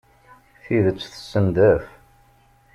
Tidet tessendaf.